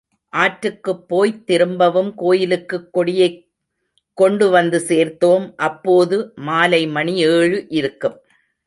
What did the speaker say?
ஆற்றுக்குப் போய்த் திரும்பவும் கோயிலுக்குக் கொடியைக் கொண்டு வந்து சேர்த்தோம் அப்போது மாலை மணி ஏழு இருக்கும்.